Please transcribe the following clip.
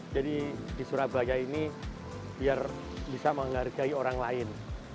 jadi di surabaya ini biar bisa menghargai orang lain